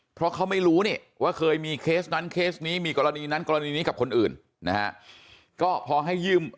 เพราะเขาไม่รู้นี่ว่าเคยมีเคสนั้นเคสนี้มีกรณีนั้นกรณีนี้กับคนอื่นนะฮะก็พอให้ยืม